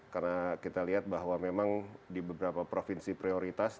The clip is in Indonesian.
karena kita lihat bahwa memang di beberapa provinsi prioritas